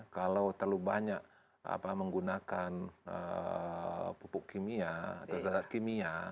kalau terlalu banyak menggunakan pupuk kimia atau zat kimia